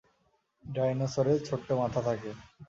ডাইনোসরের ছোট্ট মাথা থাকে।